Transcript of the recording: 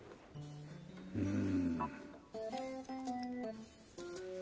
うん。